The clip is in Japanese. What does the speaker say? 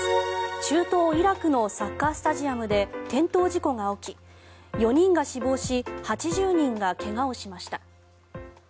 中東イラクのサッカースタジアムで転倒事故が起き４人が死亡し８０人が怪我をしました。